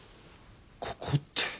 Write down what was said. ここって。